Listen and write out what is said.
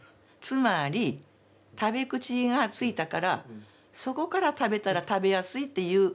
つまり食べ口がついたからそこから食べたら食べやすいっていうあれなんでしょうね。